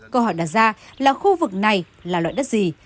câu hỏi đặt ra là khu vực này là loại đất gì